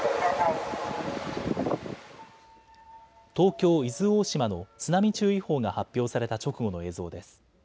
東京伊豆大島の津波注意報が発表された直後の映像です。